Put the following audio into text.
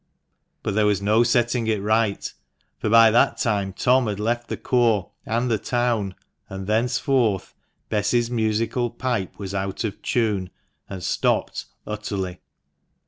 But there was no setting it right, for by that time Tom had left the corps and the town, and thenceforth Bess's musical 42 THE MANCHESTER MAN. pipe was out of tune, and stopped utterly.